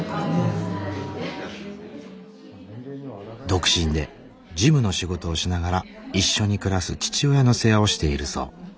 独身で事務の仕事をしながら一緒に暮らす父親の世話をしているそう。